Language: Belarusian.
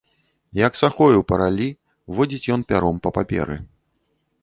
Як сахою па раллі, водзіць ён пяром па паперы.